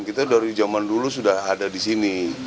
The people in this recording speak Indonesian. kita dari zaman dulu sudah ada di sini